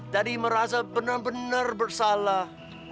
tadi merasa benar benar bersalah